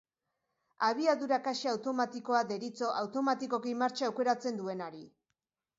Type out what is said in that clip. Abiadura-kaxa automatikoa deritzo automatikoki martxa aukeratzen duenari.